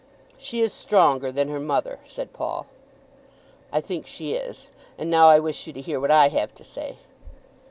"She is stronger than her mother," said Paul. "I think she is. And now I wish you to hear what I have to say."